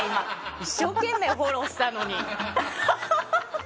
一生懸命フォローしたのに！